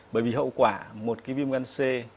bởi vì hậu quả một cái viêm gan c